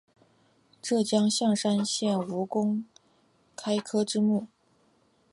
浙江象山县吴公开科之墓